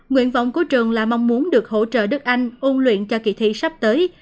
nguyện vọng của trường là mong muốn được hỗ trợ đức anh ôn luyện cho kỳ thi sắp tới